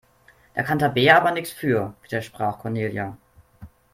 Da kann Tabea aber nichts für, widersprach Cornelia.